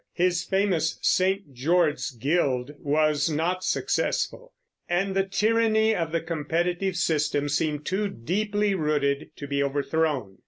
His famous St. George's Guild was not successful, and the tyranny of the competitive system seemed too deeply rooted to be overthrown.